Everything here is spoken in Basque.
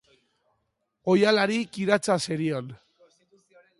Ohialari kiratsa zerion.